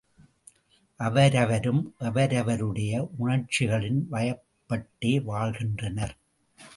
அவரவரும் அவரவருடைய உணர்ச்சிகளின் வயப்பட்டே வாழ்கின்றனர்.